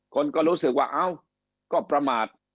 คนก็รู้สึกว่าเอ้าก็ประมาท